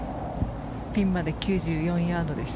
ピンまで９４ヤードです。